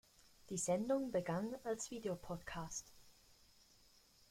Die Sendung begann als Video-Podcast.